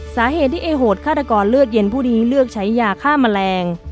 สาเหตุที่เอโหดฆาตกรเลือดเย็นผู้นี้เลือกใช้ยาฆ่าแมลง